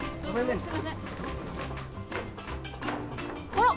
あら？